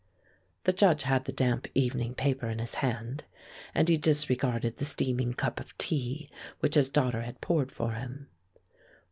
The Judge had the damp evening paper in his hand, and he disregarded the steaming cup of tea which his daughter had poured for him.